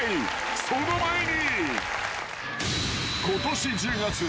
［その前に］